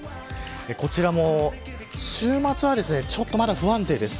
こちらも週末はまだ不安定です。